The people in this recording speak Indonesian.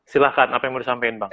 silahkan apa yang mau disampaikan bang